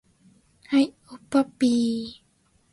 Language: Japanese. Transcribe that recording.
はい、おっぱっぴー